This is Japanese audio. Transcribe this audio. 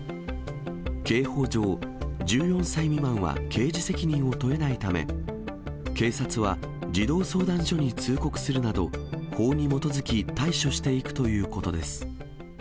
刑法上、１４歳未満は刑事責任を問えないため、警察は、児童相談所に通告するなど、法に基づき対処していくということです。